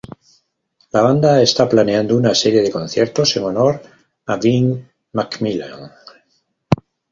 La banda está planeando una serie de conciertos en honor a Ben McMillan.